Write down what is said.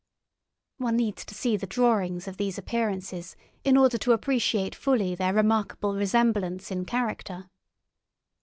One needs to see the drawings of these appearances in order to appreciate fully their remarkable resemblance in character.